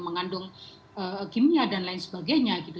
mengandung kimia dan lain sebagainya gitu